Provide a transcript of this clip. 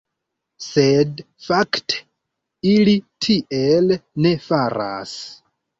Sed fakte ili tiel ne faras.